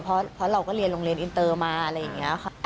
เพราะเราก็เรียนโรงเรียนอินเตอร์มาอะไรอย่างนี้ค่ะ